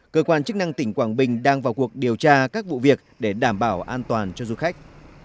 cơ quan chức năng tỉnh quảng bình đang vào cuộc điều tra các vụ việc để đảm bảo an toàn cho du khách